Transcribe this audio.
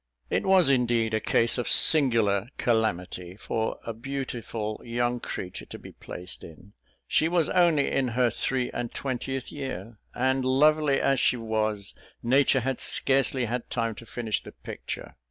It was, indeed, a case of singular calamity for a beautiful young creature to be placed in. She was only in her three and twentieth year and, lovely as she was, nature had scarcely had time to finish the picture.